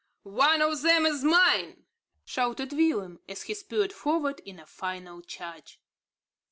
"One of them is mine," shouted Willem, as he spurred forward in a final charge.